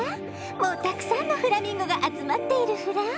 もうたくさんのフラミンゴが集まっているフラ。